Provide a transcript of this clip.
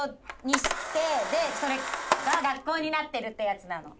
でそれが学校になってるってやつなの。